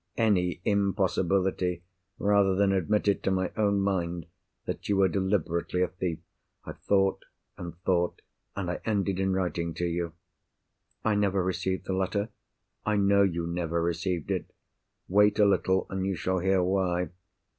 —any impossibility, rather than admit it to my own mind that you were deliberately a thief. I thought and thought—and I ended in writing to you." "I never received the letter." "I know you never received it. Wait a little, and you shall hear why.